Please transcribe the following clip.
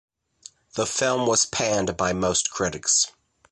The film was panned by most critics.